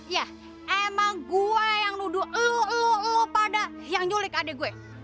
yah emang gua yang nuduh lu pada yang nyulik adik gue